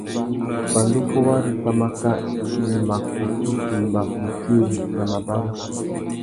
Pandú fôwari pwámáká, i mà kutu timba mutiri na mabarú.